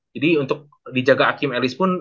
jadi untuk dijaga akim elis pun